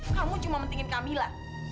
kamu cuma pentingin kamila